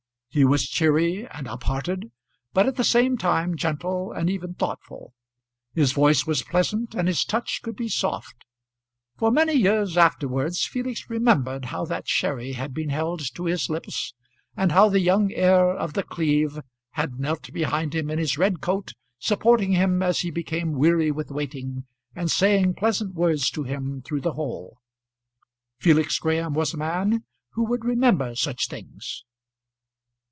He was cheery and up hearted, but at the same time gentle and even thoughtful. His voice was pleasant and his touch could be soft. For many years afterwards Felix remembered how that sherry had been held to his lips, and how the young heir of The Cleeve had knelt behind him in his red coat, supporting him as he became weary with waiting, and saying pleasant words to him through the whole. Felix Graham was a man who would remember such things.